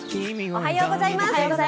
おはようございます。